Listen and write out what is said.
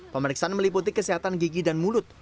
pemeriksaan meliputi kesehatan gigi dan mulut